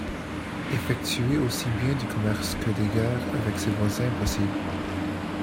Effectuer aussi bien du commerce que des guerres avec ses voisins est possible.